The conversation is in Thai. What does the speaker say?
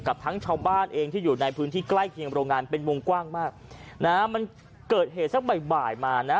กับทั้งชาวบ้านเองที่อยู่ในพื้นที่ใกล้เคียงโรงงานเป็นวงกว้างมากนะฮะมันเกิดเหตุสักบ่ายบ่ายมานะ